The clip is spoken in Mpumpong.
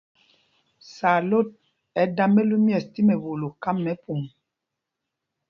Sǎlot ɛ́ da mɛlú myɛ̂ɛs tí mɛwolo kám mɛ pum.